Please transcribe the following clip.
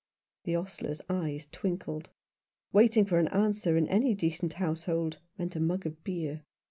The ostler's eye twinkled. Waiting for an answer in any decent household meant a mug of beer.